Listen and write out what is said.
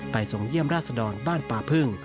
ส่งเยี่ยมราชดรบ้านป่าพึ่ง